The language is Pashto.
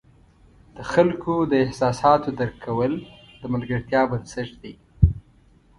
د خلکو د احساساتو درک کول د ملګرتیا بنسټ دی.